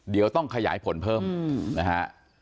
เดี๋ยวต้องขยายผลเพิ่มนะฮะ